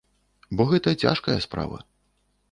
Бо гэта цяжкая справа.